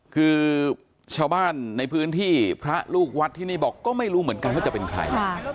คือชาวบ้านในพื้นที่พระลูกวัดที่นี่บอกก็ไม่รู้เหมือนกันว่าจะเป็นใคร